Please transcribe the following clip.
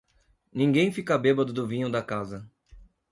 Ninguém fica bêbado do vinho da casa.